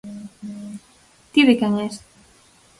Ti de quen es?